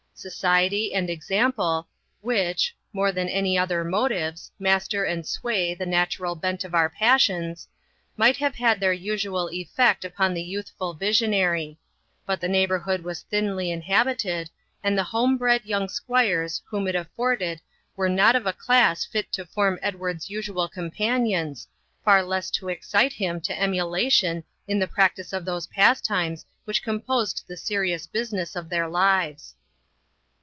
Society and example, which, more than any other motives, master and sway the natural bent of our passions, might have had their usual effect upon the youthful visionary. But the neighbourhood was thinly inhabited, and the home bred young squires whom it afforded were not of a class fit to form Edward's usual companions, far less to excite him to emulation in the practice of those pastimes which composed the serious business of their lives.